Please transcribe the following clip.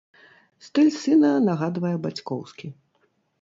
Стыль сына нагадвае бацькоўскі.